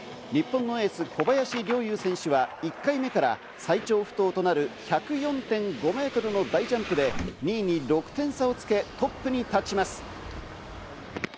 日本のエース・小林陵侑選手は１回目から最長不倒となる１０４．５メートルの大ジャンプで２位に６点差をつけ、トップに立ちます。